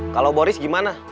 kalau boris gimana